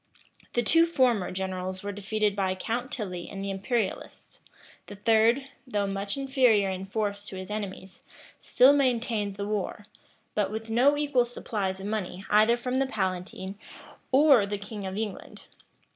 The two former generals were defeated by Count Tilly and the imperialists: the third, though much inferior in force to his enemies, still maintained the war; but with no equal supplies of money either from the palatine or the king of England.